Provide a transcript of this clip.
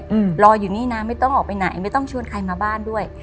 อืมรออยู่นี่นะไม่ต้องออกไปไหนไม่ต้องชวนใครมาบ้านด้วย